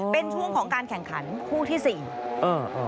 เป็นช่วงของการแข่งขันคู่ที่สี่เออ